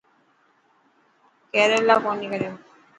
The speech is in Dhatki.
ڪيريلا ڪوني ڪريو.